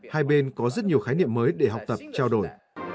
hai bên có rất nhiều khái niệm mới để học tập trao đổi